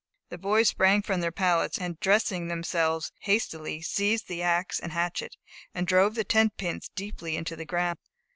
The boys sprang from their pallets, and dressing themselves hastily, seized the ax and hatchet, and drove the tent pins deeply into the ground.